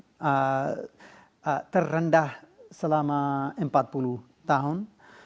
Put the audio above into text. angka pengangguran terendah selama empat puluh tahun